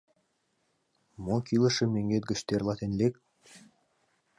Мо кӱлешым мӧҥгет гыч тӧрлатен лек».